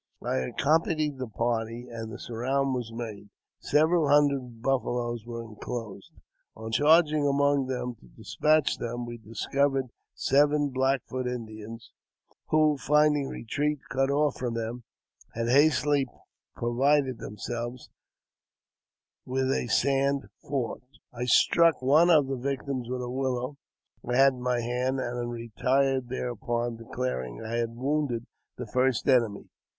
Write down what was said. I accompanied the party, and the surround was made, several hundred buffaloes being inclosed. JAMES P. BECKWOUBTH, 153 On charging among them to dispatch them, we discovered seven Black Foot Indians, v^ho, finding retreat cut off from them, had hastily provided themselves v^ith a sand fort. I struck one of the victims with a willow I had in my hand, and retired thereupon, declaring I had wounded the first enemy.